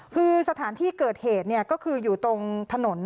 คือสถานที่เกิดเหตุก็คืออยู่ตรงถนน